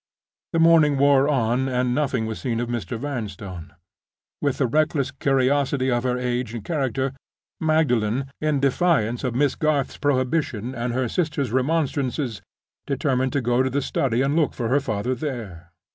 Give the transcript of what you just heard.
The morning wore on, and nothing was seen of Mr. Vanstone. With the reckless curiosity of her age and character, Magdalen, in defiance of Miss Garth's prohibition and her sister's remonstrances, determined to go to the study and look for her father there.